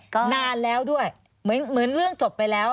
ก็นานแล้วด้วยเหมือนเรื่องจบไปแล้ว